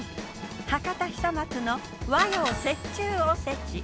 博多久松の和洋折衷おせち。